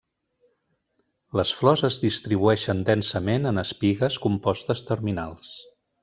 Les flors es distribueixen densament en espigues compostes terminals.